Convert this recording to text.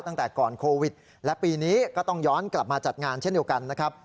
ตั้งแต่ก่อนโควิดและปีนี้ก็ต้องย้อนกลับมาจัดงานเช่นเดียวกันนะครับ